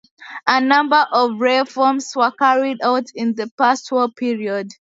A number of reforms were carried out in the post-war period.